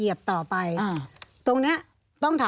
มีความรู้สึกว่ามีความรู้สึกว่า